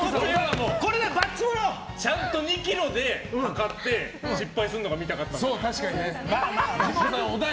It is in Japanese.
ちゃんと２ｋｇで量って失敗するのが見たかったんです。